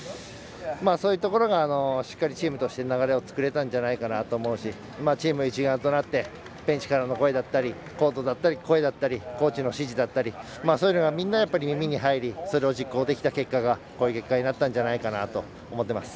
そういうところがしっかりチームとして流れを作れたんじゃないかなと思うし、チーム一丸となってベンチからの声だったりコートだったり、声だったりコーチの指示だったりそういうのが耳に入りそれを実行できた結果がこういう結果になったんじゃないかなと思っています。